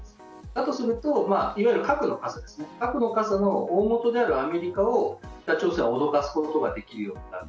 だとするといわゆる核の傘の大本であるアメリカを、北朝鮮は脅かすことができるようになる。